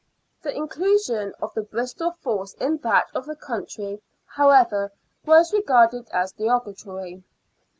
The inclusion of the Bristol force in that of the county, how ever, was regarded as derogatory.